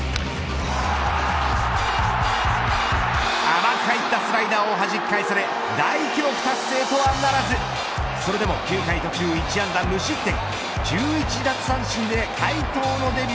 甘く入ったスライダーをはじき返され大記録達成とはならずそれでも９回途中１安打無失点１１